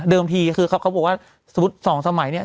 ทีคือเขาบอกว่าสมมุติสองสมัยเนี่ย